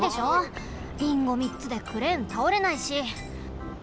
リンゴ３つでクレーンたおれないし。